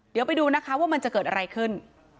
เดี๋ยวไปดูนะคะว่ามันจะเกิดอะไรขึ้น